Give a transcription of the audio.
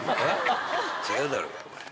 違うだろうがお前。